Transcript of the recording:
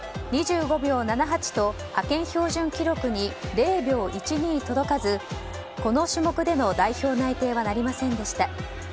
２５秒７８と派遣標準記録に０秒１２届かずこの種目での代表内定はなりませんでした。